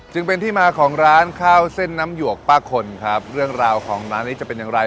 จึงเป็นที่มาของร้านข้าวเส้นน้ำหยวกป้าคนครับเรื่องราวของร้านนี้จะเป็นอย่างไร